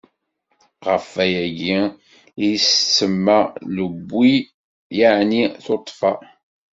Ɣef wayagi i s-tsemma Lewwi, yeɛni tuṭṭfa.